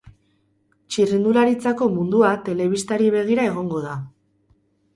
Txirrindularitzako mundua telebistari begira egongo da.